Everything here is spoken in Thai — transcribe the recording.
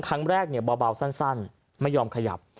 ครั้งแรกเบาสั้นไม่ยอมขยับ